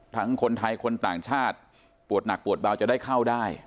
คนไทยคนต่างชาติปวดหนักปวดเบาจะได้เข้าได้